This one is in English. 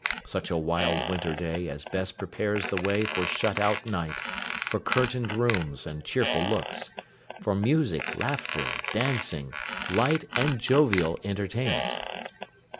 Such a wild winter day as best prepares the way for shut out night; for curtained rooms, and cheerful looks; for music, laughter, dancing, light, and jovial entertainment!